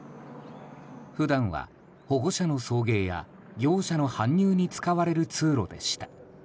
普段は保護者の送迎や業者の搬入に使われる通路でした。